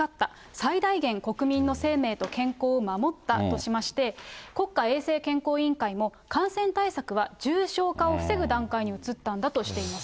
最大限国民の生命と健康を守ったとしまして、国家衛生健康委員会も、感染対策は重症化を防ぐ段階に移ったんだとしています。